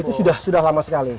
itu sudah lama sekali